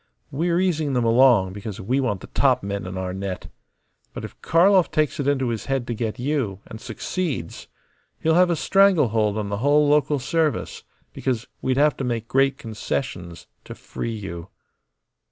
We are easing them along because we want the top men in our net. But if Karlov takes it into his head to get you, and succeeds, he'll have a stranglehold on the whole local service; because we'd have to make great concessions to free you."